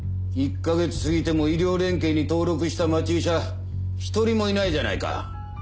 １か月過ぎても医療連携に登録した町医者１人もいないじゃないか。